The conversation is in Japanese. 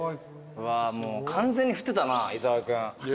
完全に振ってたな伊沢君。